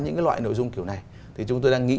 những cái loại nội dung kiểu này thì chúng tôi đang nghĩ